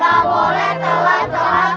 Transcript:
ga boleh telat telat